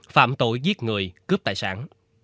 phạm tội giết người cướp tài sản